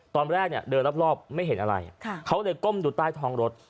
ตอนแรกเนี่ยเดินรอบไม่เห็นอะไรเขาเลยก้มดูใต้ท้องรถ